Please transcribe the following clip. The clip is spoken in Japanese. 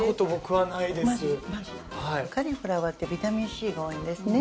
はいカリフラワーってビタミンＣが多いんですね